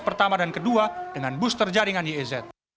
pertama dan kedua dengan booster jaringan iez